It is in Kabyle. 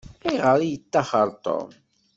Ayɣer i yeṭṭaxxer Tom?